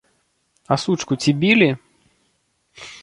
А сучку ці білі?